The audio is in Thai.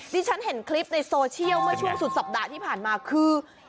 ที่ฉันเห็นคลิปในโซเชียลเมื่อช่วงสุดสัปดาห์ที่ผ่านมาคือ